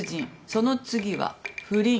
その次は不倫。